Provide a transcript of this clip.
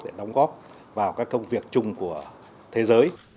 để đóng góp vào các công việc chung của thế giới